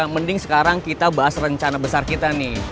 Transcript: mending sekarang kita bahas rencana besar kita nih